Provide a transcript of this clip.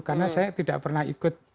karena saya tidak pernah ikut